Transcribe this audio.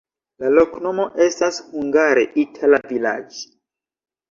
La loknomo estas hungare itala-vilaĝ'.